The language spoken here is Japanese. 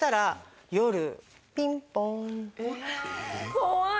怖い。